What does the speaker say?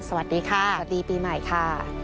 สวัสดีค่ะสวัสดีปีใหม่ค่ะ